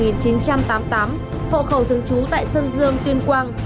năm một nghìn chín trăm tám mươi tám hộ khẩu thường trú tại sơn dương tuyên quang